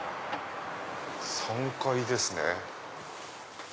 ３階ですね。